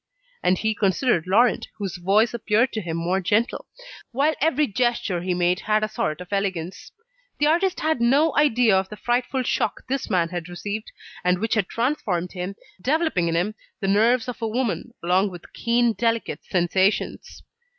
And he considered Laurent, whose voice appeared to him more gentle, while every gesture he made had a sort of elegance. The artist had no idea of the frightful shock this man had received, and which had transformed him, developing in him the nerves of a woman, along with keen, delicate sensations.